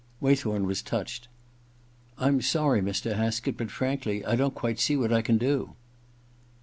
Waythorn was touched. •I'm sorry, Mr. Haskett ; but frankly, I don't quite see what I can do.'